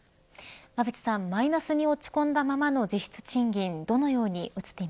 馬渕さん、マイナスに落ち込んだままの実質賃金